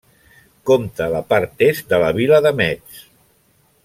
Compta la part est de la vila de Metz.